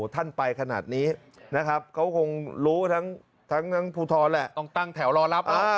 โดยไม่แจ้งล่วงหน้า